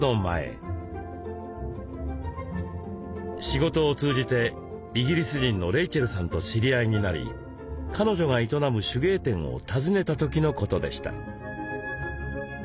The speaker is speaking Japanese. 仕事を通じてイギリス人のレイチェルさんと知り合いになり彼女が営む手芸店を訪ねた時のことでした。